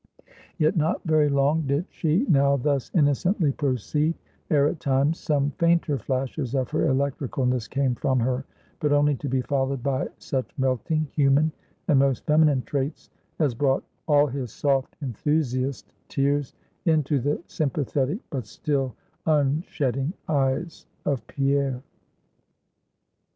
Yet not very long did she now thus innocently proceed, ere, at times, some fainter flashes of her electricalness came from her, but only to be followed by such melting, human, and most feminine traits as brought all his soft, enthusiast tears into the sympathetic but still unshedding eyes of Pierre.